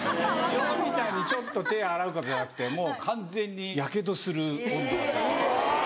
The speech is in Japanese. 日本みたいにちょっと手洗うかとかじゃなくてもう完全にヤケドする温度が出てきて。